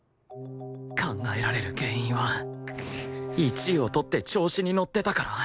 考えられる原因は１位を取って調子にのってたから